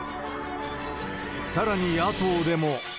さらに野党でも。